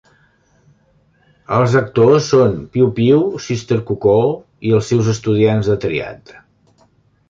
Els actor són Piu-piu, Sister Cuckoo i els seus estudiants de Triad.